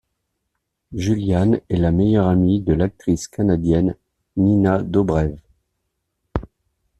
Julianne est la meilleure amie de l'actrice canadienne, Nina Dobrev.